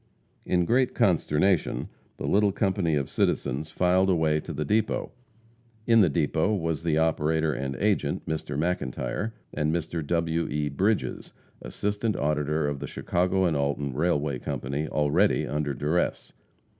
In great consternation, the little company of citizens filed away to the depot. In the depot was the operator and agent, Mr. McIntire, and Mr. W. E. Bridges, assistant auditor of the Chicago & Alton railway company, already under duress.